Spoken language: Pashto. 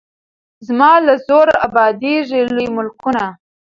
زما له زوره ابادیږي لوی ملکونه